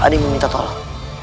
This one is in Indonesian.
adik meminta tolong